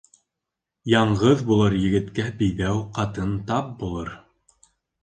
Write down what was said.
Яңғыҙ булыр егеткә биҙәү ҡатын тап булыр.